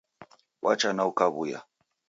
Wacha na ukawuya